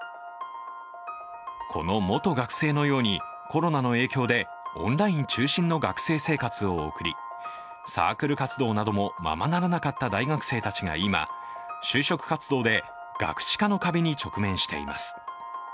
この元学生のようにコロナの影響でオンライン中心の学生生活を送りサークル活動などもままならなかった大学生たちが今就職活動でガクチカの壁に直面しています。